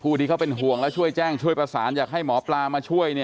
ที่เขาเป็นห่วงและช่วยแจ้งช่วยประสานอยากให้หมอปลามาช่วย